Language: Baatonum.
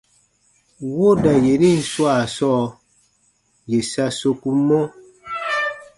Wooda yenin swaa sɔɔ, yè sa sokumɔ: